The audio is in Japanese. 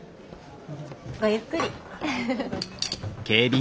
ごゆっくり。